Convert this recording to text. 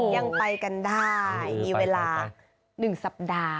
ยังไปกันได้มีเวลา๑สัปดาห์